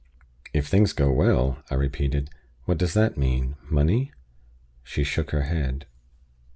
"If things go well," I repeated. "What does that mean? Money?" She shook her head.